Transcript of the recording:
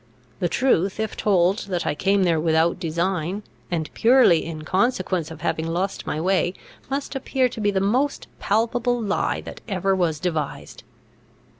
The truth, if told, that I came there without design, and purely in consequence of having lost my way, must appear to be the most palpable lie that ever was devised.